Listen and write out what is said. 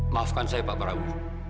maafkan saya pak parabu